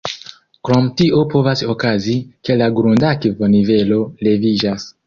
Krom tio povas okazi, ke la grundakvo-nivelo leviĝas.